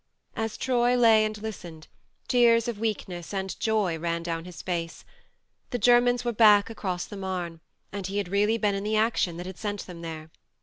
As Troy lay and listened, tears of weakness and joy ran down his face. The Germans were back across the Marne, and he had really been in the action that had sent them there